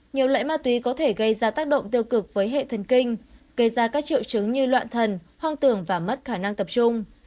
nhiều loại ma túy có thể gây ra tác động tiêu cực với hệ thần kinh gây ra các triệu chứng như loạn thần hoang tưởng và mất khả năng tập trung